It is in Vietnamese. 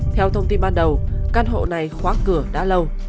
theo thông tin ban đầu căn hộ này khóa cửa đã lâu